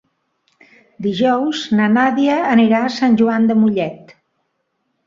Dijous na Nàdia anirà a Sant Joan de Mollet.